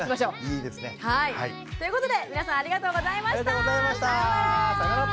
いいですね。ということで皆さんありがとうございました！さようなら！